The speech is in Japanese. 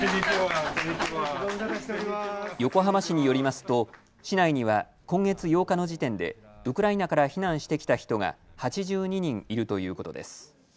横浜市によりますと市内には今月８日の時点でウクライナから避難してきた人が８２人いるということです。